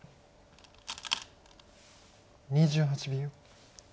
２８秒。